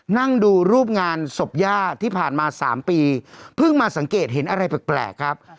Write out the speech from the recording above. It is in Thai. นั่งดูรูปงานศพย่าที่ผ่านมา๓ปีเพิ่งมาสังเกตเห็นอะไรแปลกครับ